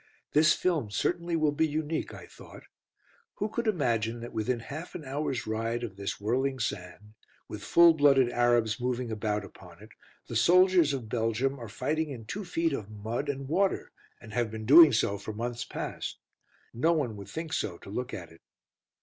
"This film certainly will be unique," I thought. Who could imagine that within half an hour's ride of this whirling sand, with full blooded Arabs moving about upon it, the soldiers of Belgium are fighting in two feet of mud and water, and have been doing so for months past. No one would think so to look at it.